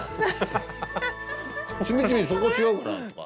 君君そこ違うからとか。